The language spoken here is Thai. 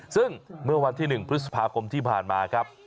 ซึ่งเมื่อวันที่๑พฤษภาคมที่ผ่านมาครับ